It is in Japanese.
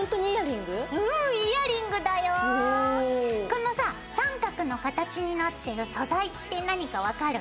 このさ三角の形になってる素材って何か分かる？